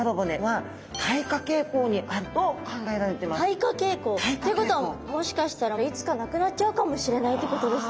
退化傾向。ってことはもしかしたらいつかなくなっちゃうかもしれないってことですか？